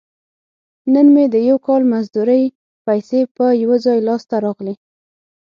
نن مې د یو کال مزدورۍ پیسې په یو ځای لاس ته راغلي.